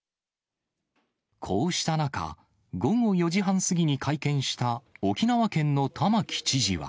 こうした中、午後４時半過ぎに会見した沖縄県の玉城知事は。